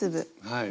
はい。